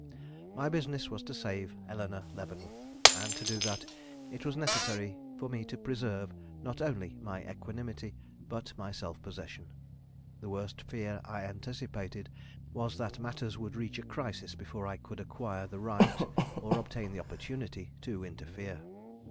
My business was to save Eleanore Leavenworth; and to do that, it was necessary for me to preserve, not only my equanimity, but my self possession. The worst fear I anticipated was that matters would reach a crisis before I could acquire the right, or obtain the opportunity, to interfere.